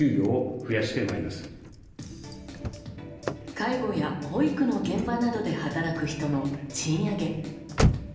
介護や保育の現場などで働く人の賃上げ。